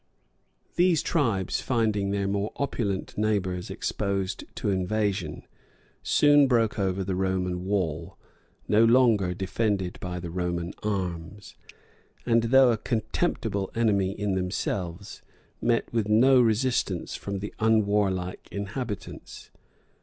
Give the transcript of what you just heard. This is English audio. ] These tribes finding their more opulent neighbors exposed to invasion, soon broke over the Roman wall, no longer defended by the Roman arms; and, though a contemptible enemy in themselves, met with no resistance from the unwarlike inhabitants.